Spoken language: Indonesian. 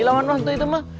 lawan hantu itu mah